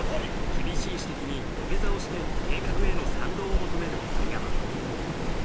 厳しい指摘に土下座をして計画への賛同を求める小宮山。